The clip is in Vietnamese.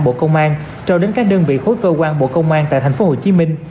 bộ công an cho đến các đơn vị khối cơ quan bộ công an tại thành phố hồ chí minh